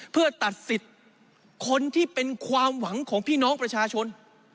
เพื่อตัดสิทธิ์คนที่เป็นความหวังของพี่น้องประชาชน